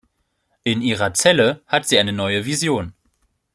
In ihrer Zelle hat sie eine neue Vision.